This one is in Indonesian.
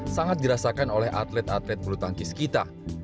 sangat dirasakan oleh atlet atlet bulu tangkis kita